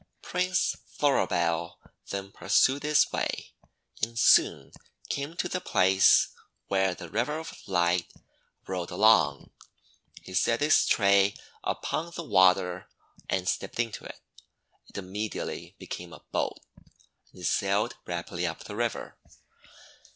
Prince Floribel then pursued his way, and soon came to the place where the River of Light rolled along. He set his tray upon the water, and stepped into it. It immediately be came a boat, and he sailed rapidly up the river.